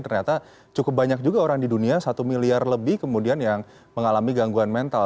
ternyata cukup banyak juga orang di dunia satu miliar lebih kemudian yang mengalami gangguan mental